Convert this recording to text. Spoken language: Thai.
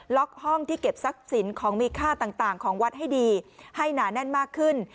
ล็อกห้องที่เก็บทรัพย์สินของมีค่าต่างของวัดให้ดีให้หนาแน่นมากขึ้น